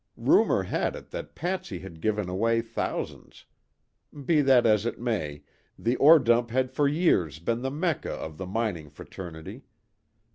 Rumor had it that Patsy had given away thousands. Be that as it may, "The Ore Dump" had for years been the mecca of the mining fraternity.